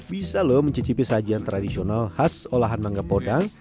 bisa loh mencicipi sajian tradisional khas olahan mangga podang